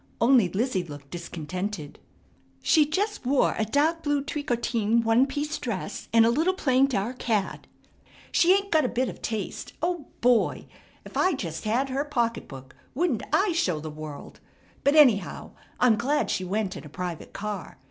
Only Lizzie looked discontented: "She just wore a dark blue tricotine one piece dress and a little plain dark hat. She ain't got a bit of taste. Oh Boy! If I just had her pocket book wouldn't I show the world? But anyhow I'm glad she went in a private car.